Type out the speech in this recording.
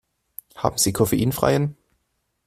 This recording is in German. Haben Sie koffeinfreien?